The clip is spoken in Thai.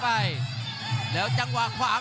กรรมการเตือนทั้งคู่ครับ๖๖กิโลกรัม